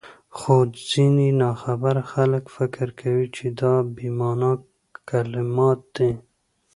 خو ځيني ناخبره خلک فکر کوي چي دا بې مانا کلمات دي،